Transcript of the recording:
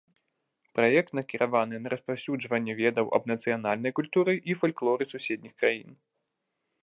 Праект накіраваны на распаўсюджванне ведаў аб нацыянальнай культуры і фальклоры суседніх краін.